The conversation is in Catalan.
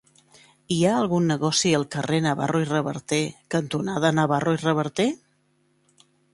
Hi ha algun negoci al carrer Navarro i Reverter cantonada Navarro i Reverter?